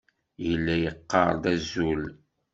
Yella yeqqar-d "azul".